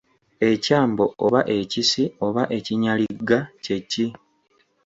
Ekyambo oba ekisi oba ekinyaligga kye ki?